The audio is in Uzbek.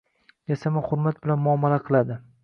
Yasama hurmat bilan muomala qiladi.